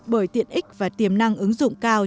với tiện ích và tiềm năng ứng dụng cao